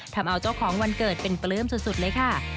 ทำเอาเจ้าของวันเกิดเป็นปลื้มสุดเลยค่ะ